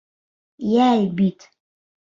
Йәл бит.